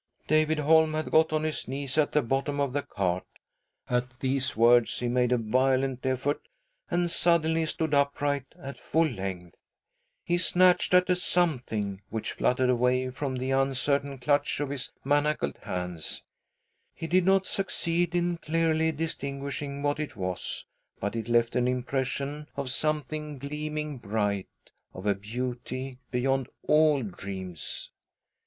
David Holm had got on his knees at the bottom of the cart. At these words he made a violent effort, and suddenly stood upright at full length. He snatched at a " something " which fluttered away from the uncertain clutch of his manacled hands — he did not succeed in clearly distinguishing what it was, but it left an impression of something gleaming bright, of a beauty beyond all dreams.